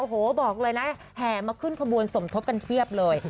โหบอกเลยนะห่ำมาขึ้นภูมิศมทฤษภกันเทียบเลย